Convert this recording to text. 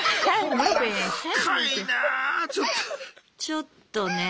ちょっとねえ。